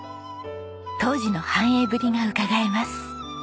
当時の繁栄ぶりがうかがえます。